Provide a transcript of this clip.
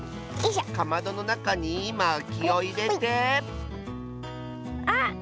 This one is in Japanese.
かまどのなかにまきをいれてあっ！